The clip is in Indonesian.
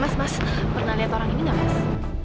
mas mas pernah lihat orang ini nggak mas